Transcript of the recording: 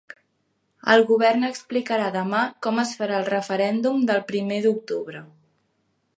El govern explicarà demà com es farà el referèndum del primer d’octubre.